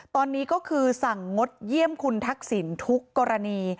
ตอนนี้ก็คือสั่งงดเยี่ยมคุณทักษิณทุกกรณี